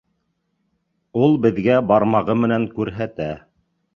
— Ул беҙгә бармағы менән күрһәтә.